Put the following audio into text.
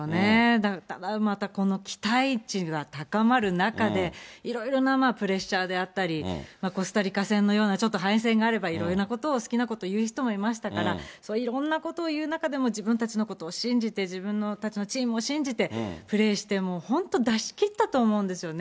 だからまたこの期待値が高まる中で、いろいろなプレッシャーであったり、コスタリカ戦のような、ちょっと敗戦があれば、いろいろなことを、好きなことを言う人もいましたから、いろんなことを言う中でも、自分たちのことを信じて、自分たちのチームを信じて、プレーして、もう、本当、出し切ったと思うんですよね。